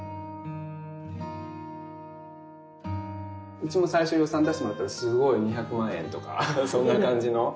うちも最初予算出してもらったらすごい２００万円とかそんな感じの。